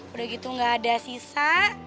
udah gitu gak ada sisa